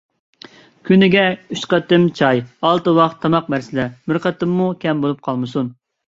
كۈنىگە ئۈچ قېتىم چاي، ئالتە ۋاخ تاماق بەرسىلە، بىرەر قېتىممۇ كەم بولۇپ قالمىسۇن.